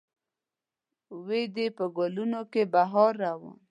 وي دې په ګلونو کې بهار روان